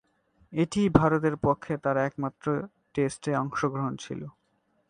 এটিই ভারতের পক্ষে তার একমাত্র টেস্টে অংশগ্রহণ ছিল।